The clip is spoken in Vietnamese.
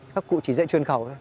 các cụ chỉ dạy truyền khẩu thôi